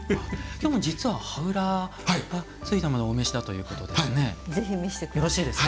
きょうも実は羽裏がついたものをお召しだということですね。